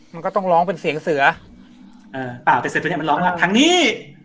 มันก็ต้องร้องเป็นเสียงเสือเออเปล่าแต่เสร็จตัวเนี้ยมันร้องว่าทางนี้